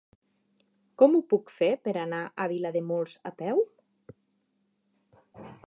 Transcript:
Com ho puc fer per anar a Vilademuls a peu?